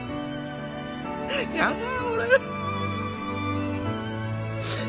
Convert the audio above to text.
やだよ俺。